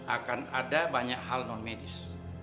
akan ada banyak hal non medis